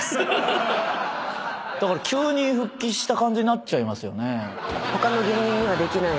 だから急に復帰した感じになっちゃいますよね。